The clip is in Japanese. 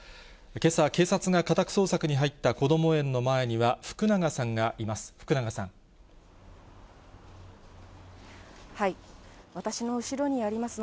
けさ、警察が家宅捜索に入ったこども園の前には、福永さんがいます。